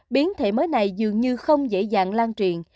biến thể mới này dường như không dễ dàng lan truyền